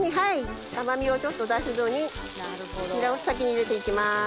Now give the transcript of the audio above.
甘味をちょっと出すのにニラを先に入れて行きます。